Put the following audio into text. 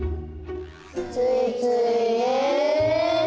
ついついね。